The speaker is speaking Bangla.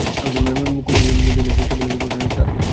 কুমুর বিয়ে নিয়েও কেবলই প্রশ্ন আসে, তার উত্তর দিতে মুখে বাধে।